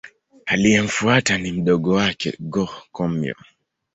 Aliyemfuata ni mdogo wake Go-Komyo.